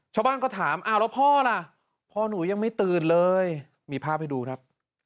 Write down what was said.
ชาวบ้านก็ถามอ้าวแล้วพ่อล่ะพ่อหนูยังไม่ตื่นเลยมีภาพให้ดูครับ